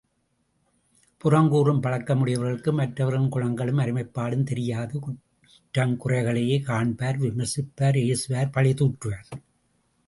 புறங்கூறும் பழக்கமுடையவர்களுக்கு மற்றவர்களின் குணங்களும் அருமைப்பாடும் தெரியாது, குற்றங்குறைகளையே காண்பர் விமர்சிப்பர் ஏசுவர் பழிதூற்றுவர்.